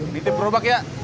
ditip berubah ya